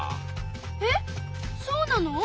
えっそうなの？